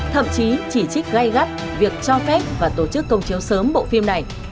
thậm chí chỉ trích gây gắt việc cho phép và tổ chức công chiếu sớm bộ phim này